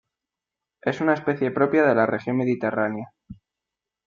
Es una especie propia de la región mediterránea.